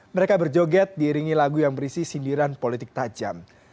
mereka berjoget diiringi lagu yang berisi sindiran politik tajam